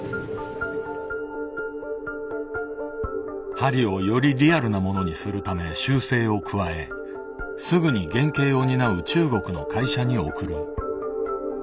針をよりリアルなものにするため修正を加えすぐに原型を担う中国の会社に送る。